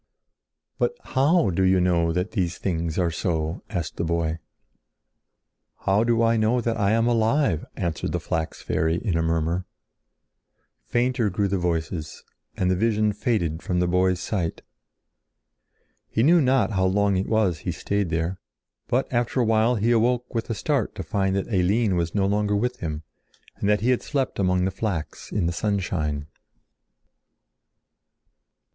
"But how do you know that these things are so?" asked the boy. "How do I know that I am alive?" answered the flax fairy in a murmur. Fainter grew the voices and the vision faded from the boy's sight. He knew not how long it was he stayed there, but after awhile he awoke with a start to find that Eline was no longer with him, and that he had slept among the flax in the sunshine.